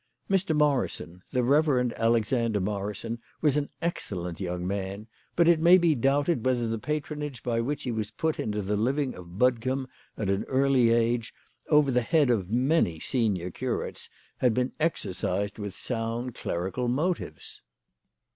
Mr. Morrison, the Rev. Alexander Morrison, was an excellent young man ; but it may be doubted whether the patronage by which he was put into the living of Budcombe at an early age, over the head of many senior curates, had been exer cised with sound clerical motives.